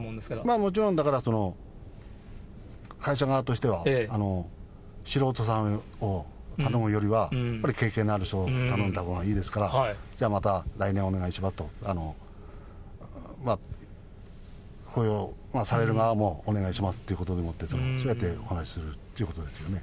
もちろんだから、会社側としては素人さんを頼むよりはやっぱり経験のある人を頼んだほうがいいですから、じゃあまた来年お願いしますと、雇用される側もお願いしますということでもって、そうやったお話ということですよね。